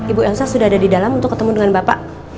ibu elsa sudah ada di dalam untuk ketemu dengan bapak